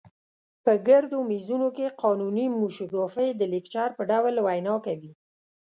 په ګردو میزونو کې قانوني موشګافۍ د لیکچر په ډول وینا کوي.